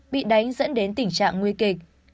bị đánh dẫn đến tình trạng nguy kịch